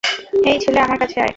হেই, ছেলে, আমার কাছে আয়!